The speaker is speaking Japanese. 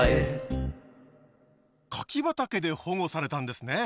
柿畑で保護されたんですね。